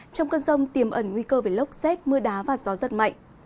trong cơn rông tiềm ẩn nguy cơ về lốc xét mưa đá và gió rất mạnh